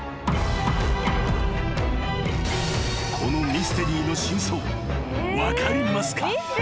［このミステリーの真相分かりますか？］